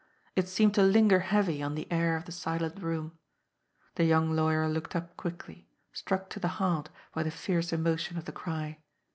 It seemed to linger heavy on the air of the silent room. The young lawyer looked up quickly, struck to the heart by the fierce emotion of the cry.